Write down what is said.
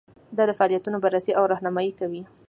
دا د فعالیتونو بررسي او رهنمایي کوي.